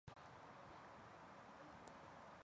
拜佛钳羊有尊崇佛山为祖庙的意义。